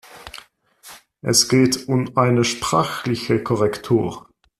Es geht um eine sprachliche Korrektur.